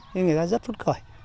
thế người ta rất phấn khởi